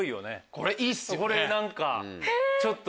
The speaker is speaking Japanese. これいいっすよね。